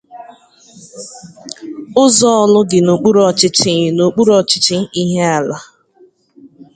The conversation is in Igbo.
ụzọ Ọrlụ dị n'okpuru ọchịchị n'okpuru ọchịchị Ihiala